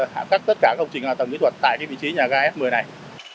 hạ cắt tất cả công trình hạ tầng kỹ thuật tại cái vị trí nhà gà s một mươi này